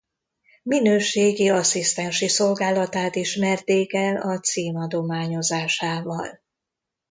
Minőségi asszisztensi szolgálatát ismerték el a cím adományozásával.